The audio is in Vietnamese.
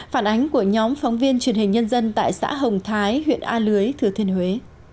phản ánh của nhóm phóng viên truyền hình nhân dân tại xã hồng thái huyện a lưới thừa thiên huế